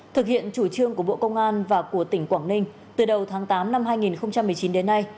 thực hiện chủ trương của bộ công an và của tỉnh quảng ninh từ đầu tháng tám năm hai nghìn một mươi chín đến nay